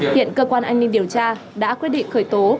hiện cơ quan an ninh điều tra đã quyết định khởi tố